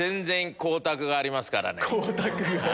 光沢！